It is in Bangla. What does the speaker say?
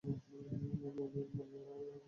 ঐ মুরগিওয়ালা আর ঐ মাইনাস।